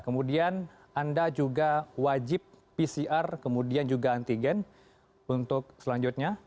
kemudian anda juga wajib pcr kemudian juga antigen untuk selanjutnya